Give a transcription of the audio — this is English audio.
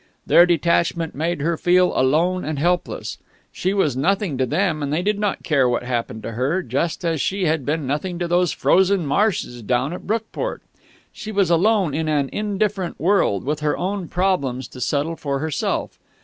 Their detachment made her feel alone and helpless. She was nothing to them and they did not care what happened to her, just as she had been nothing to those frozen marshes down at Brookport. She was alone in an indifferent world, with her own problems to settle for herself.